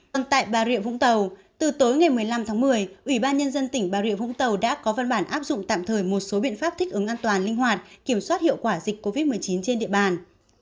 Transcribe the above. còn tại bà rịa vũng tàu từ tối ngày một mươi năm tháng một mươi ủy ban nhân dân tỉnh bà rịa vũng tàu đã có văn bản áp dụng tạm thời một số biện pháp thích ứng an toàn linh hoạt kiểm soát hiệu quả dịch covid một mươi chín trên địa bàn